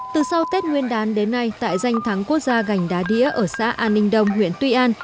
từ sau tết nguyên đán đến nay tại danh thắng quốc gia gành đá đĩa ở xã an ninh đông huyện tuy an